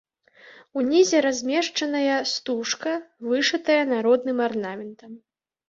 Унізе размешчаная стужка, вышытая народным арнаментам.